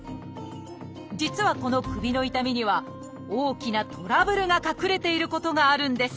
実はこの首の痛みには大きなトラブルが隠れていることがあるんです。